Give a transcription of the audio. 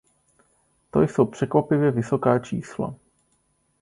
To jsou překvapivě vysoká čísla.